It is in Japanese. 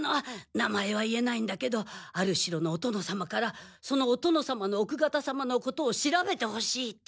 名前は言えないんだけどある城のお殿様からそのお殿様の奥方様のことを調べてほしいと。